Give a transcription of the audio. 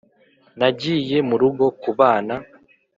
nagiye murugo kubana